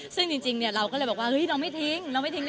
ซึ่งจริงเราก็เลยบอกว่าเฮ้ยน้องไม่ทิ้งน้องไม่ทิ้งแน่